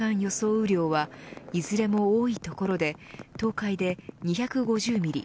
雨量はいずれも多い所で東海で２５０ミリ